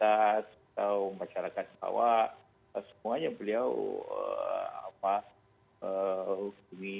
atau masyarakat bawah semuanya beliau hukumi